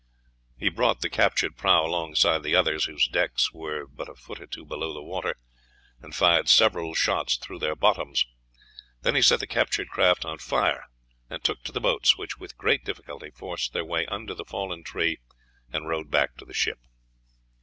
He brought the captured prahu alongside the others, whose decks were but a foot or two below the water, and fired several shots through their bottoms. Then he set the captured craft on fire and took to the boats, which with great difficulty forced their way under the fallen tree and rowed back to the ship.